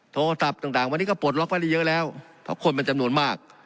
โทรศัพท์ต่างวันนี้ก็ปลดล็อกไว้ได้เยอะแล้วเพราะคนมันจำนวนมาก